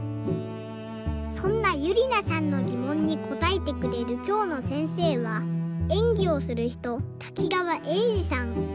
そんなゆりなさんのぎもんにこたえてくれるきょうのせんせいはえんぎをするひと滝川英治さん。